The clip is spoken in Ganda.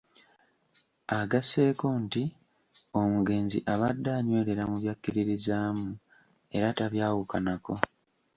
Agasseeko nti omugenzi abadde anywerera mu by'akkiririzaamu era tabyawukanako.